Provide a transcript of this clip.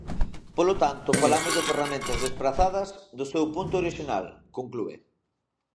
Polo tanto falamos de ferramentas desprazadas do seu punto orixinal, conclúe.